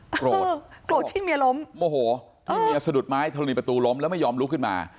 โกรธโกรธที่เมียล้มโมโหที่เมียสะดุดไม้ทะลีประตูล้มแล้วไม่ยอมลุกขึ้นมา